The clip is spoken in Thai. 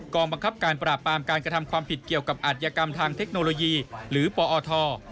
บังคับการปราบปรามการกระทำความผิดเกี่ยวกับอัธยกรรมทางเทคโนโลยีหรือปอท